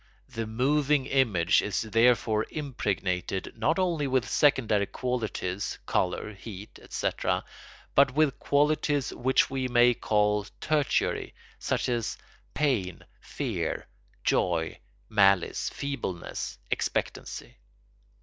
The moving image is therefore impregnated not only with secondary qualities—colour, heat, etc.—but with qualities which we may call tertiary, such as pain, fear, joy, malice, feebleness, expectancy.